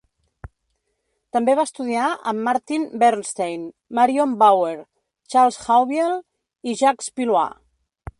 També va estudiar amb Martin Bernstein, Marion Bauer, Charles Haubiel i Jacques Pillois.